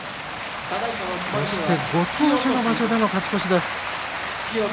そして、ご当所の場所での勝ち越しです。